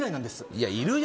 いやいるよ